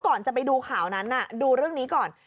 ก่อนจะไปดูข่าวนั้นดูเรื่องนี้ก่อน